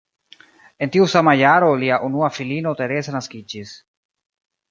En tiu sama jaro lia unua filino Teresa naskiĝis.